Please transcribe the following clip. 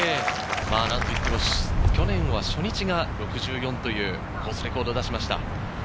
なんといっても去年は初日が６４というコースレコードを出しました。